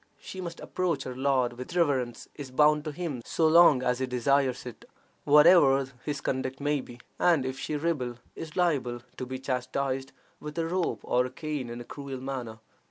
She must approach her lord with reverence; is bound to him so long as he desires it, whatever his conduct may be; and if she rebel, is liable to be chastised with a rope or a cane in a cruel manner.